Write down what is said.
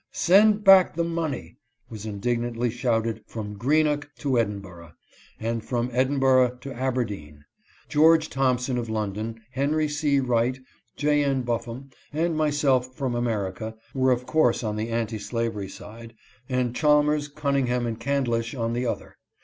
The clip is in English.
" Send back the money !" was indignantly shouted from Greenock to Edinburgh, and from Edinburgh to Aberdeen. George Thompson of London, Henry C. Wright, J. N. Buffum and myself from America, were of course on the anti slavery side, and Chalmers, Cunningham, and Candlish on the other.